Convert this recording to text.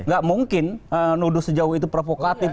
gak mungkin nuduh sejauh itu provokatif